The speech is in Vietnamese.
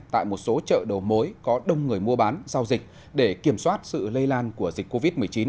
tại một số chợ đầu mối có đông người mua bán giao dịch để kiểm soát sự lây lan của dịch covid một mươi chín